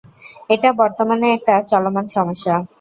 এটা বর্তমানে একটা চলমান সমস্যা।